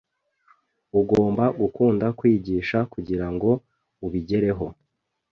Ugomba gukunda kwigisha kugirango ubigereho.